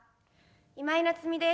今井菜津美です。